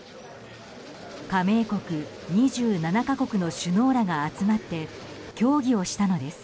加盟国２７か国の首脳らが集まって協議をしたのです。